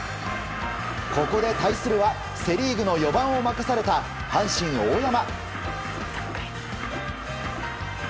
ここで対するはセ・リーグの４番を任された阪神、大山。